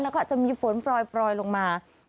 แล้วก็จะมีฝนปล่อยลงมา